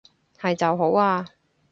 係就好啊